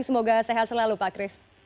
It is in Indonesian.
semoga sehat selalu pak kris